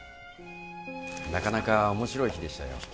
なかなか面白い日でしたよ。